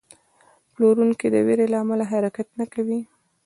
پلورونکی د ویرې له امله حرکت نه کوي.